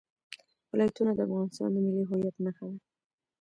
ولایتونه د افغانستان د ملي هویت نښه ده.